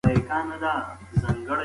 مور د ماشوم د تودوخې بدلون ويني.